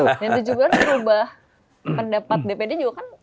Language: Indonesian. jadi berubah pendapat dpd juga kan